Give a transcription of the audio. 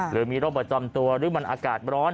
หรือมีโรคประจำตัวหรือมันอากาศร้อน